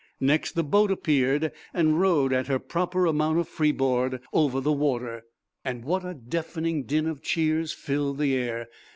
Next, the boat appeared, and rode at her proper amount of freeboard over the water. What a deafening din of cheers filled the air.